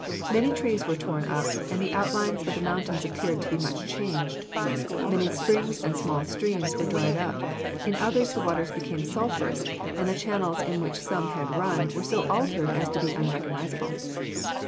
Many trees were torn up, and the outlines of the mountains appeared to be much changed. Many springs and small streams were dried up; in others the waters became sulphurous, and the channels in which some had run were so altered as to be unrecognizable.